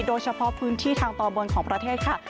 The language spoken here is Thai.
โดยเฉพาะพื้นที่ทางตอนบนของประเทศค่ะ